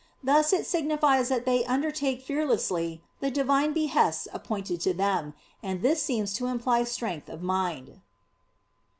Thus it signifies that they undertake fearlessly the Divine behests appointed to them; and this seems to imply strength of mind.